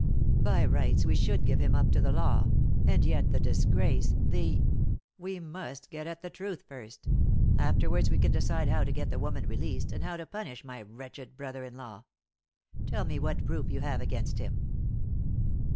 By rights, we should give him up to the law and yet the disgrace the " "We must get at the truth first; afterwards we can decide how to get the woman released, and how to punish my wretched brother in law. Tell me what proof you have against him?"